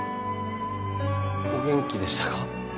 お元気でしたか？